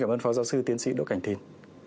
xin cảm ơn phó giáo sư tiến sĩ đỗ cảnh thìn